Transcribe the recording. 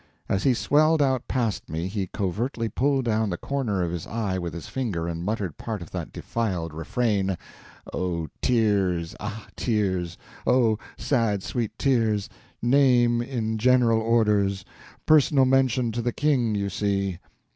As he swelled out past me he covertly pulled down the corner of his eye with his finger and muttered part of that defiled refrain, "Oh, tears, ah, tears, oh, sad sweet tears!—name in General Orders—personal mention to the King, you see!"